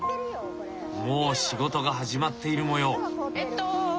もう仕事が始まっているもよう。